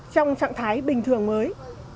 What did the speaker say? trong trạng thái bình thường mới